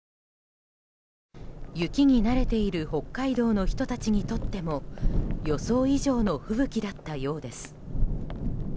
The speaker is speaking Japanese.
雪に慣れている北海道の人たちにとっても予想以上の吹雪だったようです。